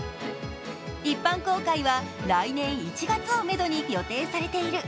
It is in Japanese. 一般公開は来年１月をめどに予定されている。